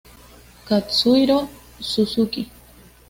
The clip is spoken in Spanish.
Katsuhiro Suzuki